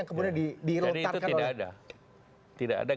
ilegal pak ya